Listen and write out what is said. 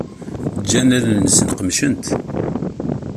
Ǧǧan allen-nsen qemcent.